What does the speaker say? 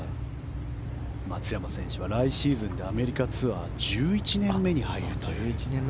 松山選手は来シーズンでアメリカツアー１１年目です。